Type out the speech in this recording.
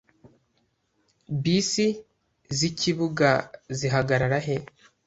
Bisi zi kibuga zihagarara he?